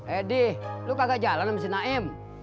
eh deh lu kagak jalan sama si naim